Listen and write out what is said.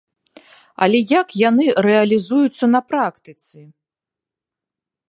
Але як яны рэалізуюцца на практыцы?